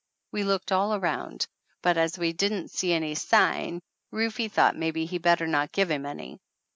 We looked all around, but as we didn't see any sign, Rufe thought maybe he'd better not give him any.